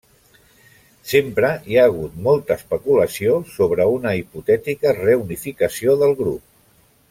Sempre hi ha hagut molta especulació sobre una hipotètica reunificació del grup.